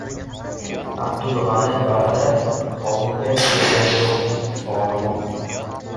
Abdul G‘ani Baradar Kobulga kelgani yo‘q — "Tolibon"